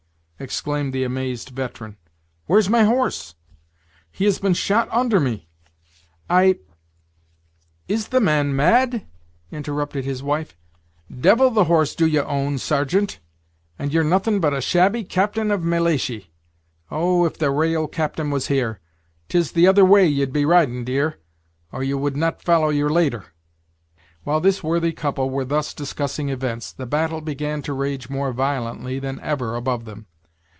exclaimed the amazed veteran; "where's my horse? he has been shot under me I " "Is the man mad?" interrupted his wife "devil the horse do ye own, sargeant, and ye're nothing but a shabby captain of malaishy. Oh! if the ra'al captain was here, tis the other way ye'd be riding, dear, or you would not follow your laider!" While this worthy couple were thus discussing events, the battle began to rage more violently than ever above them.